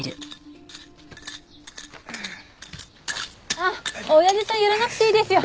あっおやじさんはやらなくていいですよ。